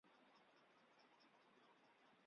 新古典主义建筑在美国建筑得到广泛传播。